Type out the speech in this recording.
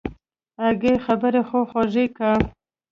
اگه خبرې خو خوږې که.